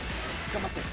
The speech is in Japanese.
頑張って。